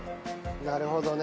なるほどね。